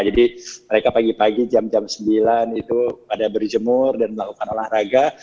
jadi mereka pagi pagi jam jam sembilan itu pada berjemur dan melakukan olahraga